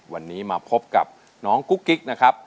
วันนี้มาพบกับน้องกุ๊กกิ๊กนะครับ